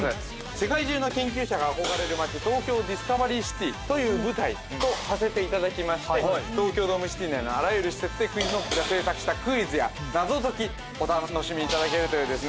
世界中の研究者が憧れる街トーキョーディスカバリーシティという舞台とさせていただきまして東京ドームシティ内のあらゆる施設でＱｕｉｚＫｎｏｃｋが制作したクイズや謎解きお楽しみいただけるというですね